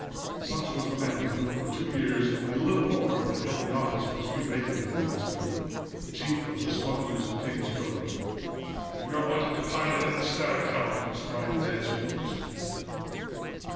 Such was the man, who, for two years and a little more, had held the office which Hugh Maitland had once filled chief of the Smugglers of King's Cove. "You are wanted to pilot in the Staghound," was Tryon's answer to Percy's demand.